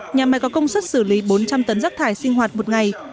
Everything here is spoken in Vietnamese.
nhà máy có công suất xử lý bốn trăm linh tấn rác thải sinh hoạt một ngày